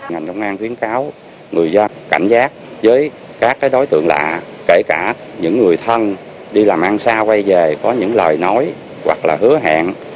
ngành công an khuyến cáo người dân cảnh giác với các đối tượng lạ kể cả những người thân đi làm ăn xa quay về có những lời nói hoặc là hứa hẹn